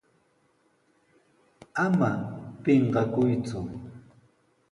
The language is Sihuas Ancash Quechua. ¡Ama pinqakuyku!